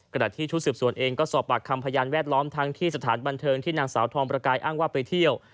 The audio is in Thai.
ที่ชุดสืบสวนเองก็สอบปากคำพยานแวดล้อมทั้งที่สถานบันเทิงที่นางสาวทองประกายอ้างว่าไปเที่ยว